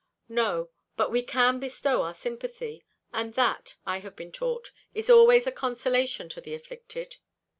"No; but we can bestow our sympathy, and that, I have been taught, is always a consolation to the afflicted."